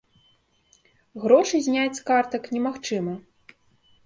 Грошы зняць з картак немагчыма.